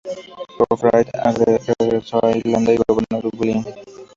Gofraid regresó a Irlanda y gobernó Dublín.